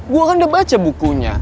gue kan udah baca bukunya